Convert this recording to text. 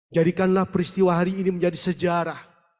jadikanlah peristiwa hari ini menjadi sejarah